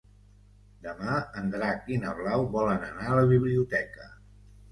Demà en Drac i na Blau volen anar a la biblioteca.